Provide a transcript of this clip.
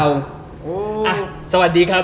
อ่ะสวัสดีครับ